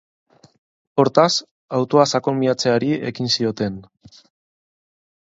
Hortaz, autoa sakon miatzeari ekin zioten.